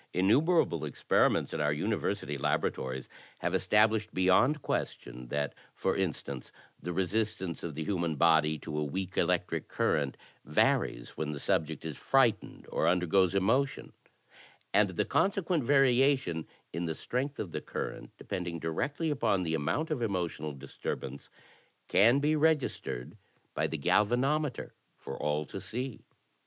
Innumerable experiments in • our university laboratories have established beyond question that, for instance, the resistance of the himian body to a weak electric current varies when the subject is frightened or undergoes emotion; and the consequent variation in the strength of the current depending directly upon the amoimt of emotional disturbance, can be registered by the galvanometer for all to see.